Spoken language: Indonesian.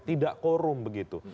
tidak korum begitu